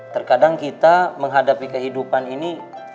terkadang kita menghadapi kehidupan ini